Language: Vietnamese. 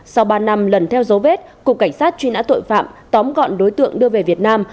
sau ba năm lần theo dấu vết cục cảnh sát truy nã tội phạm tóm gọn đối tượng đưa về việt nam